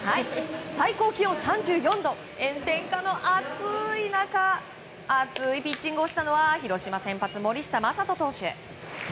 最高気温３４度炎天下の暑い中熱いピッチングをしたのは広島先発、森下暢仁投手。